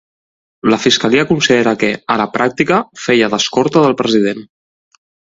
La fiscalia considera que, a la pràctica, feia d’escorta del president.